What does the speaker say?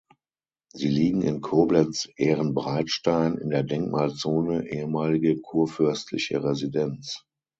Sie liegen in Koblenz-Ehrenbreitstein in der Denkmalzone ehemalige Kurfürstliche Residenz.